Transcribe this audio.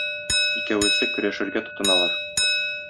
Икәвесе көрәшергә тотыналар.